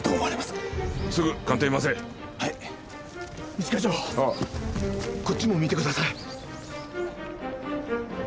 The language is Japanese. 一課長こっちも見てください！